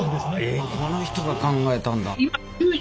この人が考えたんだ！